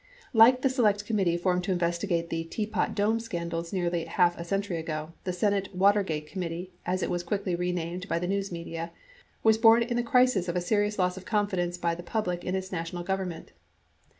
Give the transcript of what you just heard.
Like the Select Committee formed to investigate the "Teapot Dome" scandals nearly a half a century ago, the Senate "Watergate" Commit tee, as it was quickly renamed by the news media, was born in the crisis of a serious loss of confidence by the public in its national Gov XXVI ernment.